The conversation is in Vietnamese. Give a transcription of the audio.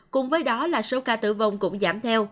cùng với đó là số ca tử vong cũng giảm theo